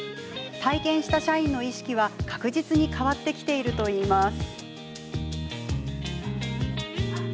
体験した社員の意識は確実に変わってきているといいます。